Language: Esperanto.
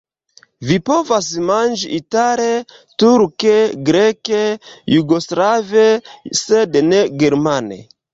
Vi povas manĝi itale, turke, greke, jugoslave, sed ne germane.